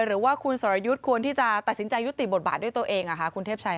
หรือว่าคุณสรยุทธ์ควรที่จะตัดสินใจยุติบทบาทด้วยตัวเองคุณเทพชัย